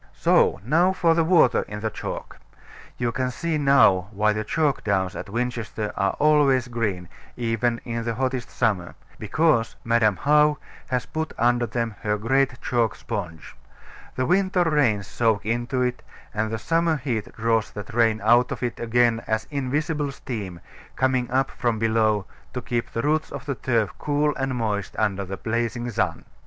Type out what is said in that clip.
So now for the water in the chalk. You can see now why the chalk downs at Winchester are always green, even in the hottest summer: because Madam How has put under them her great chalk sponge. The winter rains soak into it; and the summer heat draws that rain out of it again as invisible steam, coming up from below, to keep the roots of the turf cool and moist under the blazing sun.